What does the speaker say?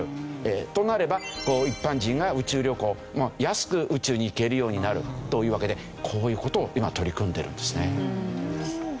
となれば一般人が宇宙旅行安く宇宙に行けるようになるというわけでこういう事を今取り組んでるんですね。